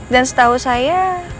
dan setahu saya